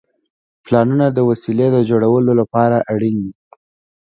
پلانونه د وسیلې د جوړولو لپاره اړین دي.